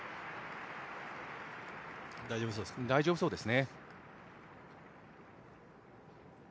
大丈夫そうですね。